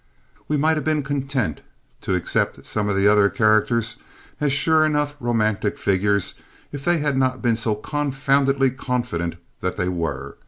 We might have been content to accept some of the other characters as sure enough romantic figures if they had not been so confoundedly confident that they were.